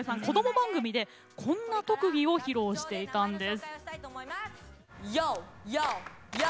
番組でこんな特技を披露していたんです。